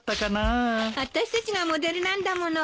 あたしたちがモデルなんだもの。